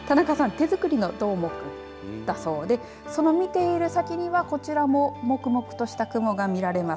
手作りのどーもくんだそうでその見ている先にはこちらももくもくとした雲が見られます。